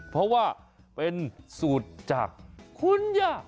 เพราะว่าเป็นสูตรจากคุณย่า